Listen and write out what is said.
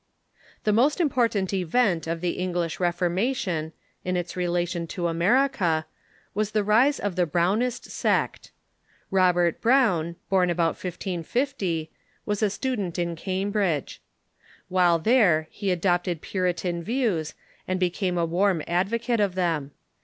The most important event of the English Reformation, in its relation to America, was the rise of the Brownist sect. Robert Brown, born about 1550, was a student in Cambridge. 254 THE REFORMATION While there he adopted Puritan views, and became a warm advocate of them.